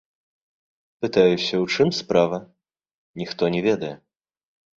Пытаюся ў чым справа, ніхто не ведае.